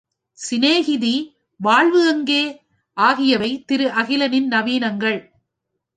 சிநேகிதி, வாழ்வு எங்கே? ஆகியவை திரு அகிலனின் நவினங்கள்.